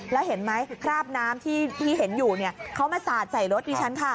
แล้วเห็นไหมคราบน้ำที่เห็นอยู่เขามาสาดใส่รถดิฉันค่ะ